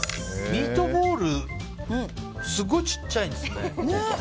ミートボールすごい小さいんですね。